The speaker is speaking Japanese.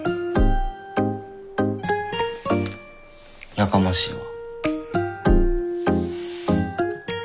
やかましいわ。